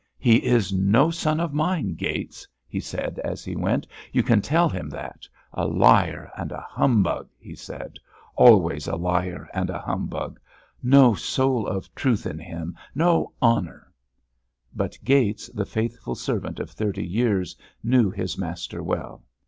"He is no son of mine, Gates," he said, as he went. "You can tell him that. A liar and a humbug," he said. "Always a liar and a humbug. No soul of truth in him, no honour——" But Gates, the faithful servant of thirty years, knew his master well.